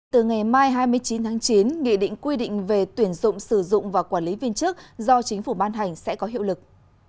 từ ngày mai hai mươi chín tháng chín nghị định quy định về tuyển dụng sử dụng và quản lý viên chức do chính phủ ban hành sẽ có hiệu lực